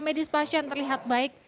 medis pasien terlihat baik